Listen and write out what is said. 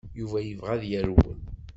Yuba yebɣa ad yerwel.